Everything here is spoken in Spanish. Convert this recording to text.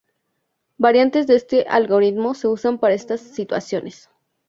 Variantes de este algoritmo se usan para estas situaciones.